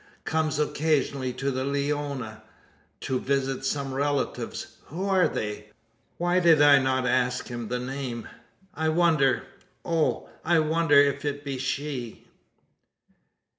Comes occasionally to the Leona, to visit some relatives. Who are they? Why did I not ask him the name? I wonder oh, I wonder if it be she!"